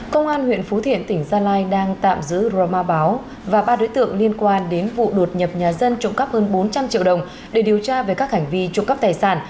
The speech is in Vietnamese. công an huyện phú thiện tỉnh gia lai đang tạm giữ roma báo và ba đối tượng liên quan đến vụ đột nhập nhà dân trộm cắp hơn bốn trăm linh triệu đồng để điều tra về các hành vi trộm cắp tài sản